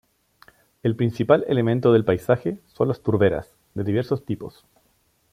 El principal elemento del paisaje son las turberas, de diversos tipos.